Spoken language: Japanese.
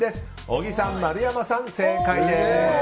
小木さん、丸山さん、正解です。